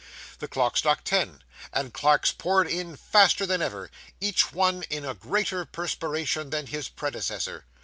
The clock struck ten, and clerks poured in faster than ever, each one in a greater perspiration than his predecessor.